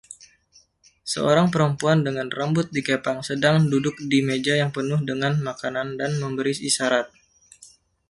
Seorang perempuan dengan rambut dikepang sedang duduk di meja yang penuh dengan makanan dan memberi isyarat.